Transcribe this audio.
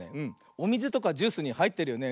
おみずとかジュースにはいってるよね。